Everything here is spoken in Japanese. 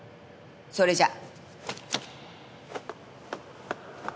それじゃ。